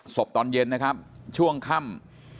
ตอนเย็นนะครับช่วงค่ำ